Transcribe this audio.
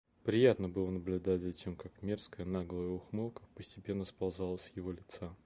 Приятно было наблюдать за тем, как мерзкая, наглая ухмылка постепенно сползала с его лица.